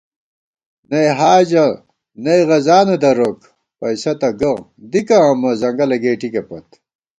نئ حاجہ نئ غذانہ دروک ، پئیسہ تہ گہ، دِکہ امہ، ځنگلہ گېٹِکےپت